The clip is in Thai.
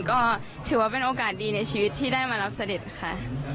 ก็ถือว่าเป็นโอกาสดีในชีวิตที่ได้มารับเสด็จค่ะ